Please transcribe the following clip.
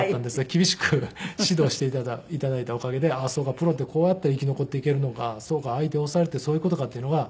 厳しく指導して頂いたおかげでそうかプロってこうやって生き残っていけるのかそうか相手を抑えるってそういう事かっていうのが。